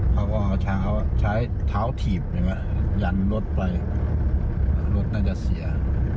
พวกเขาใช้เท้าถีบยันรถไปรถน่าจะเสีย